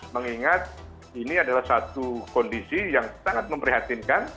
mengingat ini adalah satu kondisi yang sangat memprihatinkan